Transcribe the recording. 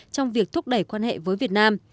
trong việc thúc đẩy quan hệ với việt nam